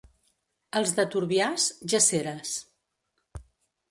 Els de Turbiàs, jaceres.